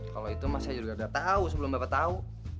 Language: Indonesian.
kalau itu mas yudharda tahu sebelum bapak tahu